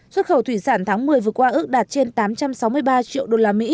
xuất khẩu thủy sản tháng một mươi vừa qua ước đạt trên tám trăm sáu mươi ba triệu usd